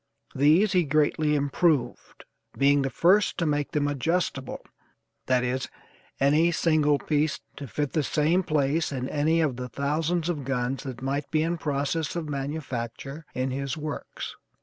These he greatly improved, being the first to make them adjustable, that is, any single piece to fit the same place in any of the thousands of guns that might be in process of manufacture in his works.